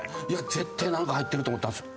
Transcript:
絶対なんか入ってると思ったんですよ。